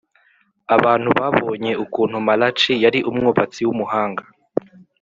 abantu babonye ukuntu Malachi yari umwubatsi w’umuhanga